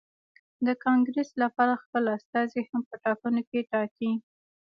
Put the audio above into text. د کانګرېس لپاره خپل استازي هم په ټاکنو کې ټاکي.